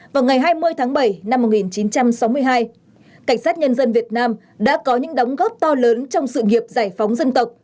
vào ngày hai mươi tháng bảy năm một nghìn chín trăm sáu mươi hai cảnh sát nhân dân việt nam đã có những đóng góp to lớn trong sự nghiệp giải phóng dân tộc